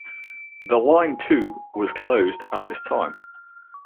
The line to was closed at this time.